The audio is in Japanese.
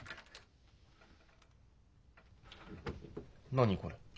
何これ？